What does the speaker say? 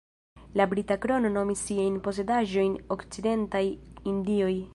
La Brita Krono nomis siajn posedaĵojn Okcidentaj Indioj.